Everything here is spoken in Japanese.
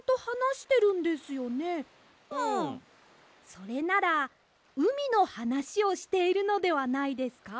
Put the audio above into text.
それならうみのはなしをしているのではないですか？